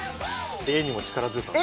絵にも力強さを。